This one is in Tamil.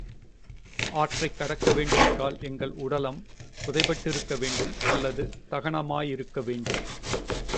ஆற்றைக் கடக்க வேண்டுமென்றால் எங்கள் உடலம் புதைபட்டிருக்க வேண்டும் அல்லது தகனமாயிருக்க வேண்டும்.